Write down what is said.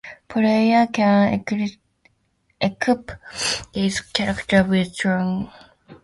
Players can equip these characters with trinkets and combat items.